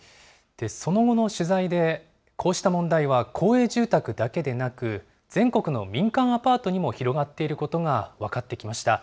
その後の取材で、こうした問題は公営住宅だけでなく、全国の民間アパートにも広がっていることが分かってきました。